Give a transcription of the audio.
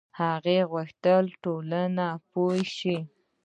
هغه غوښتل چې ټولنه پوه شي.